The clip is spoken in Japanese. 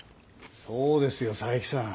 そうですよ佐伯さん。